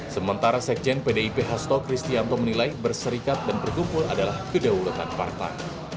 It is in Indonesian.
sementara sekjen pdip hasto kristianto menilai berserikat dan berkumpul adalah kedaulatan partai